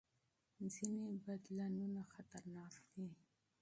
ځینې بدلونونه خطرناک دي.